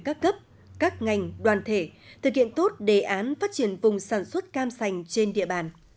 các cấp các ngành đoàn thể thực hiện tốt đề án phát triển vùng sản xuất cam sành trên địa bàn